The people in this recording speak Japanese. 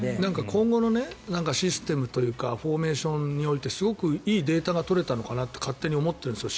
今後のシステムというかフォーメーションにおいてすごくいいデータが取れたのかなって勝手に思ってるんですよ